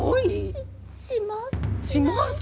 しします。